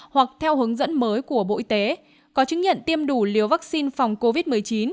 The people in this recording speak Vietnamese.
hoặc theo hướng dẫn mới của bộ y tế có chứng nhận tiêm đủ liều vaccine phòng covid một mươi chín